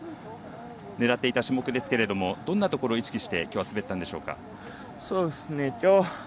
狙っていた種目ですけれどもどんなところを意識してきょうは滑ったんでしょうか？